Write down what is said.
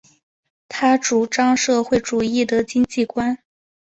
他主张社会主义的经济观。